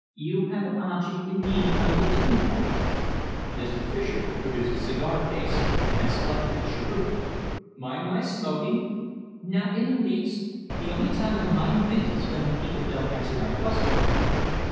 "You have an object in being kind to Jimmy, then?" Mr. Fischer produced a cigar case and selected a cheroot. "Mind my smoking?" "Not in the least. The only time I mind things is when people don't answer my questions."